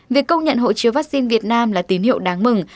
việc công nhận hộ chiếu vắc xin việt nam là tín hiệu đáng mừng